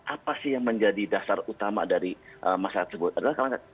apa sih yang menjadi dasar utama dari masyarakat tersebut